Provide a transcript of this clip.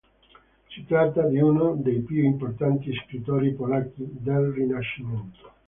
Si tratta di uno dei più importanti scrittori polacchi del Rinascimento.